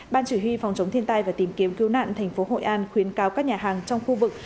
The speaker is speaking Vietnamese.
ban chỉ huy phòng chống thiên tai và tìm kiếm cứu nạn thành phố hội an khuyến cáo các nhà hàng trong khu vực